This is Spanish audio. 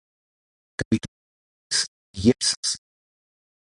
Capitán de Presa Miguel Sassy.